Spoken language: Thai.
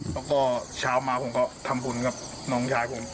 แล้วก็เช้ามาผมก็ทำบุญกับน้องยายผม